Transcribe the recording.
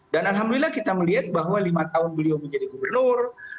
dan alhamdulillah kita melihat bahwa lima tahun beliau menjadi gubernur